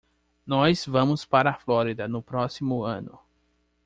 Nós vamos para a Flórida no próximo ano.